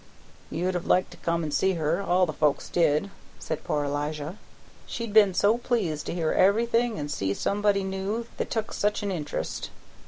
"You'd have liked to come and see her; all the folks did," said poor Elijah. "She'd been so pleased to hear everything and see somebody new that took such an int'rest.